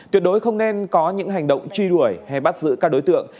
tuyệt đối không nên có những hành động truy đuổi hay bắt giữ các đối tượng